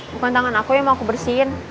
bukan tangan aku yang mau aku bersihin